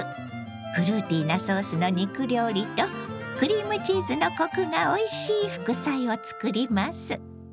フルーティーなソースの肉料理とクリームチーズのコクがおいしい副菜を作ります。